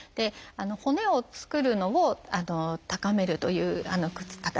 骨を作るのを高めるという形になりますね。